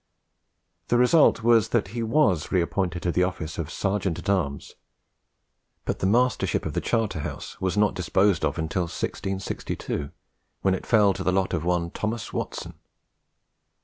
The result was, that he was reappointed to the office of Serjeant at Arms; but the Mastership of the Charter House was not disposed of until 1662, when it fell to the lot of one Thomas Watson.